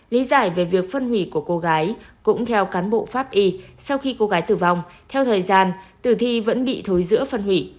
lý giải về việc phân hủy của cô gái cũng theo cán bộ pháp y sau khi cô gái tử vong theo thời gian tử thi vẫn bị thối giữa phân hủy